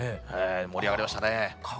盛り上がりましたね。